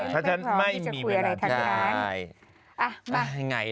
ถ้าฉันไม่มีเวลาจ่าย